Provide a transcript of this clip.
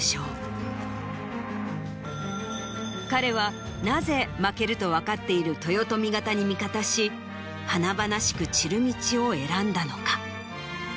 彼はなぜ負けると分かっている豊臣方に味方し華々しく散る道を選んだのか？